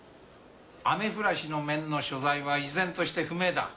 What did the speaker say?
雨降らしの面の所在は依然として不明だ。